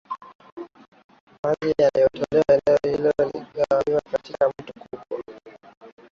majimbo yanayojitawalaEneo hilo lagawiwa katikati na mto mkubwa